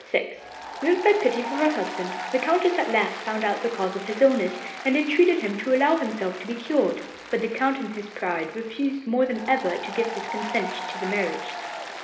VI Moved by pity for her husband, the Countess at last found out the cause of his illness, and entreated him to allow himself to be cured. But the Count in his pride refused more than ever to give his consent to the marriage.